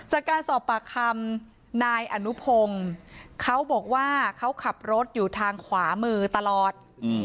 จากการสอบปากคำนายอนุพงศ์เขาบอกว่าเขาขับรถอยู่ทางขวามือตลอด